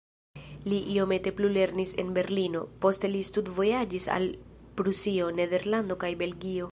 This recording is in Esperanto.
Li iomete plulernis en Berlino, poste li studvojaĝis al Prusio, Nederlando kaj Belgio.